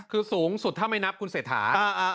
คือสูงสุดถ้าไม่นับคุณเศรษฐา